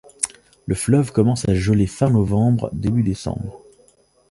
Le fleuve commence à geler fin novembre-début décembre.